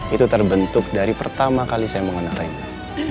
itu terbentuk dari pertama kali saya mengenal rena